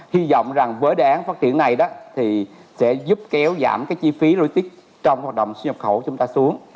hy vọng rằng với đề án phát triển này đó thì sẽ giúp kéo giảm cái chi phí logic trong hoạt động xuất nhập khẩu chúng ta xuống